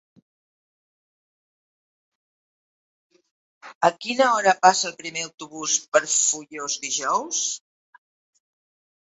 A quina hora passa el primer autobús per Foios dijous?